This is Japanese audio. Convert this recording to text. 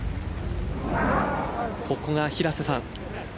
ここが平瀬さん